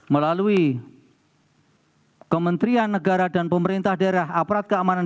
melalui kementerian negara dan pemerintah daerah aparat keamanan